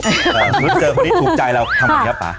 สมมุติเจอคนนี้ถูกใจเราทำไมครับป่า